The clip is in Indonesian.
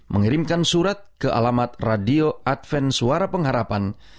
mengirimkan surat ke alamat radio adven suara pengharapan